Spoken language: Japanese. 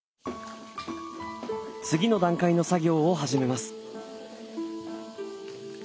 次の段階の作業を始めます。